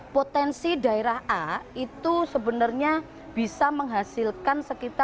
potensi daerah a itu sebenarnya bisa menghasilkan sekitar